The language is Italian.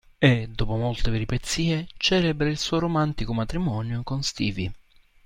E, dopo molte peripezie, celebra il suo romantico matrimonio con Stevie.